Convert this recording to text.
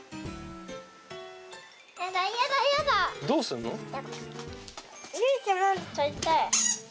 どうすんの？